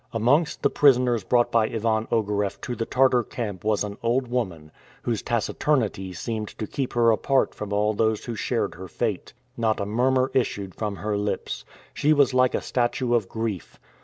Amongst the prisoners brought by Ivan Ogareff to the Tartar camp was an old woman, whose taciturnity seemed to keep her apart from all those who shared her fate. Not a murmur issued from her lips. She was like a statue of grief.